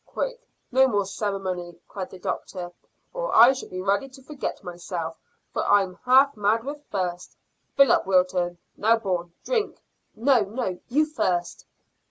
"Quick, no more ceremony," cried the doctor, "or I shall be ready to forget myself, for I'm half mad with thirst. Fill up, Wilton. Now, Bourne, drink." "No, no; you first."